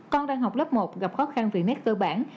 con đang học lớp một gặp khó khăn về nét cơ bản